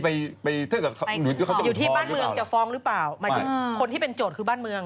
สารภาพอย่างนี้ปฏิเสธเท่านี้